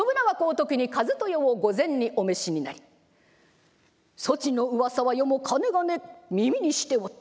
特に一豊を御前にお召しになり「そちの噂は余もかねがね耳にしておった。